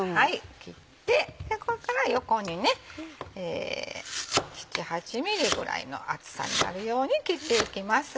切ってこっから横に７８ｍｍぐらいの厚さになるように切っていきます。